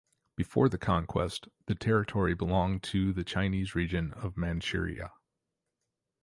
Before the conquest, the territory belonged to the Chinese region of Manchuria.